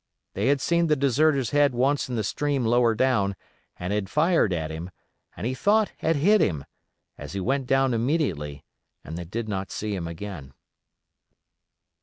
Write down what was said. They had seen the deserter's head once in the stream lower down, and had fired at him, and he thought had hit him, as he went down immediately and they did not see him again.